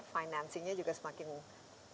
financingnya juga semakin